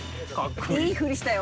いい振りしたよ